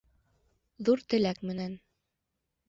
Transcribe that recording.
Ҙур теләк менән